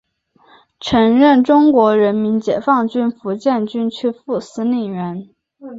曾任中国人民解放军福建军区副司令员。